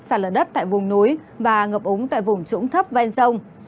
xa lở đất tại vùng núi và ngập ống tại vùng trũng thấp ven rông